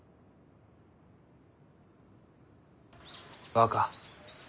若。